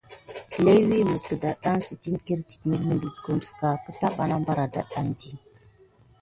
Léwi mis gəldada sit kirti mimeko keta bana bar adati.